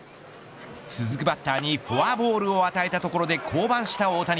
続くバッターにフォアボールを与えたところで降板した大谷。